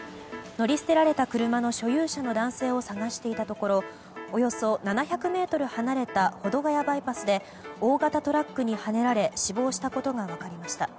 乗り捨てられた車の所有者の男性を捜していたところおよそ７００ｍ離れた保土ヶ谷バイパスで大型トラックにはねられ死亡したことが分かりました。